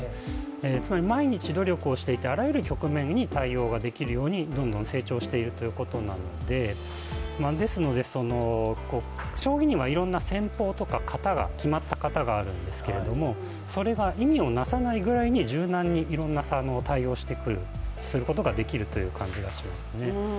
つまり毎日努力をしていてあらゆる局面に対応ができるようにどんどん成長しているということなのでですので将棋にはいろんな戦法とか決まった型があるんですけれどもそれが意味をなさないぐらいに柔軟に、いろんな対応をすることができるという感じですね。